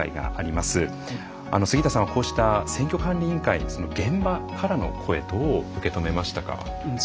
杉田さんはこうした選挙管理委員会現場からの声どう受け止めましたか？